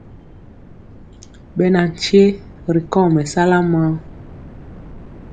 Ɓɛ na nkye ri kɔŋ mɛsala maŋ.